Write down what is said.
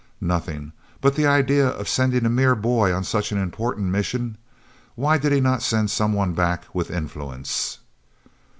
"Nothing; but the idea of sending a mere boy on such an important mission! Why did he not send some one back with influence?"